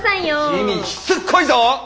君ッしつっこいぞッ！